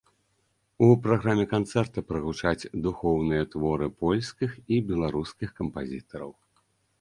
У праграме канцэрта прагучаць духоўныя творы польскіх і беларускіх кампазітараў.